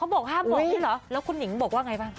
ห้ามบอกนี้หรอแล้วคุณหญิงบอกว่าไงบ้าง